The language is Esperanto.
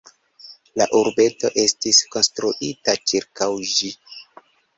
La urbeto estis konstruita ĉirkaŭ ĝi.